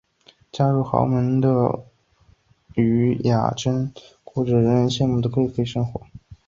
嫁入豪门的禹雅珍过着人人称羡的贵妇生活。